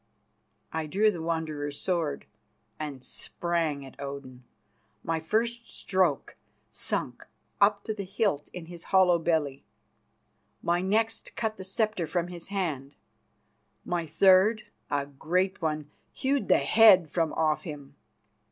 I drew the Wanderer's sword, and sprang at Odin. My first stroke sunk up to the hilt in his hollow belly; my next cut the sceptre from his hand; my third a great one hewed the head from off him.